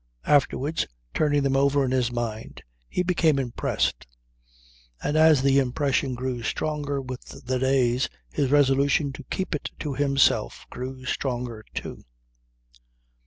Afterwards, turning them over in his mind, he became impressed, and as the impression grew stronger with the days his resolution to keep it to himself grew stronger too.